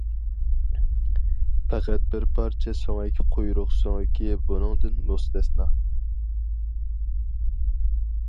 پەقەت بىر پارچە سۆڭەك-قۇيرۇق سۆڭىكى بۇنىڭدىن مۇستەسنا.